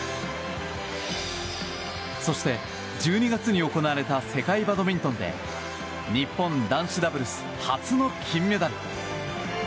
そして、１２月に行われた世界バドミントンで日本男子ダブルス初の金メダル。